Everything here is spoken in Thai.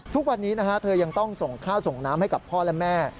ทุกวันนี้เธอยังต้องส่งข้าวส่งน้ำให้กับพ่อและแม่